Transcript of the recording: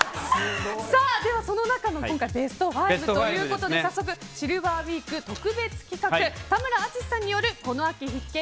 その中のベスト５ということでシルバーウィーク特別企画田村淳さんによるこの秋必見！